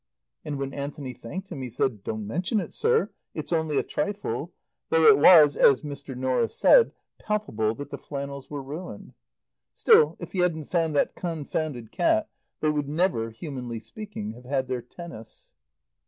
And when Anthony thanked him he said, "Don't mention it, sir. It's only a trifle," though it was, as Mr. Norris said, palpable that the flannels were ruined. Still, if he hadn't found that confounded cat, they would never, humanly speaking, have had their tennis.